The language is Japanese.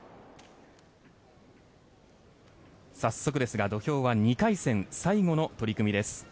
早速ですが、土俵は２回戦最後の取組です。